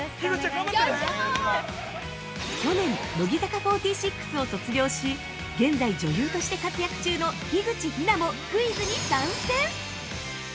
◆去年、乃木坂４６を卒業し現在、女優として活躍中の樋口日奈もクイズに参戦。